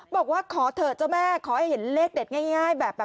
บอกว่าขอเถอะเจ้าแม่ขอให้เห็นเลขเด็ดง่ายแบบ